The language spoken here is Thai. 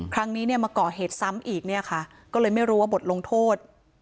ครั้งนี้มาก่อเหตุซ้ำอีกก็เลยไม่รู้ว่าบทลงโทษ